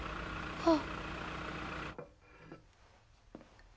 あっ。